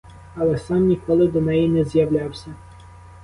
Але сам ніколи до неї не з'являвся.